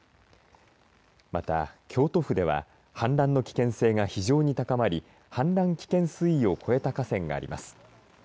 また京都府では氾濫の危険性が非常に高まり、氾濫危険水位を超えた河川があります。